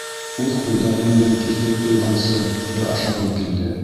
Үҙ ҡулдарым менән киҫеп, туйғансы бер ашағым килде...